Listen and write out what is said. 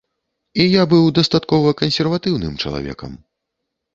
І я быў дастаткова кансерватыўным чалавекам.